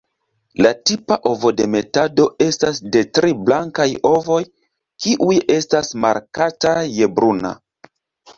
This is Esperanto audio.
La tipa ovodemetado estas de tri blankaj ovoj, kiuj estas markataj je bruna.